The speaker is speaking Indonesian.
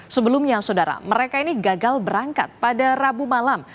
sebelumnya saudara mereka ini gagal berangkat pada rabu malam